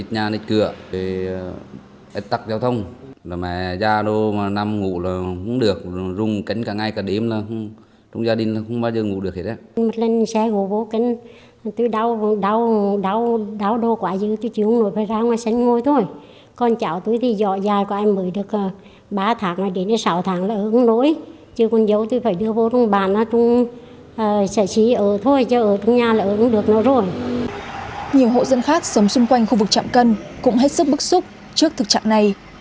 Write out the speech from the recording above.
nhiều hộ dân khác sống xung quanh khu vực trạm cân cũng hết sức bức xúc trước thực trạng này